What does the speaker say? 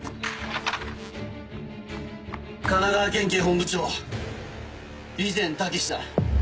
神奈川県警本部長備前武だ。